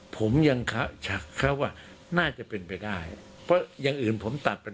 ผมยังชักเขาว่าน่าจะเป็นไปได้เพราะอย่างอื่นผมตัดเป็น